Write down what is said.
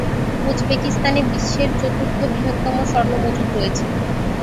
উজবেকিস্তানে বিশ্বের চতুর্থ বৃহত্তম স্বর্ণ মজুদ রয়েছে।